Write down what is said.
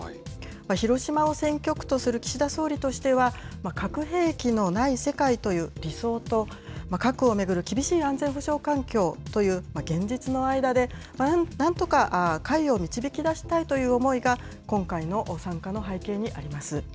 広島を選挙区とする岸田総理としては、核兵器のない世界という理想と、核を巡る厳しい安全保障環境という現実の間で、なんとか解を導き出したいという思いが、今回の参加の背景にあります。